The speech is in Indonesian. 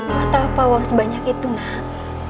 wah tak apa uang sebanyak itu nak